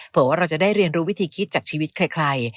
ว่าเราจะได้เรียนรู้วิธีคิดจากชีวิตใคร